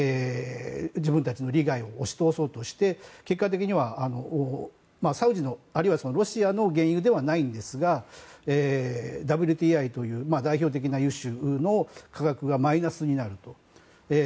自分たちの利害を押し通そうとして結果的にはサウジのあるいはロシアの原油ではないんですがＷＴＩという代表的な油種の価格がマイナスになると。